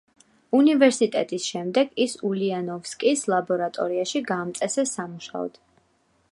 უნივერსიტეტის შემდეგ ის ულიანოვსკის ლაბორატორიაში გაამწესეს სამუშაოდ.